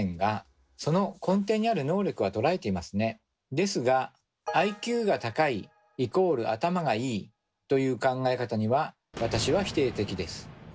ですが「ＩＱが高い＝頭がいい」という考え方には私は否定的です。